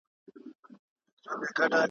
چي هر څومره درڅرګند سم بیا مي هم نه سې لیدلای `